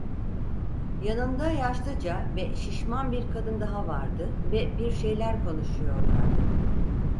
Yanında yaşlıca ve şişman bir kadın daha vardı ve bir şeyler konuşuyorlardı.